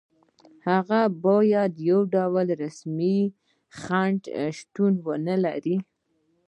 هلته باید هېڅ ډول رسمي خنډ شتون ونلري.